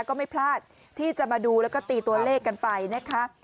ก็ไม่พลาดที่จะมาดูแล้วก็ตีตัวเลขกันไปนะคะ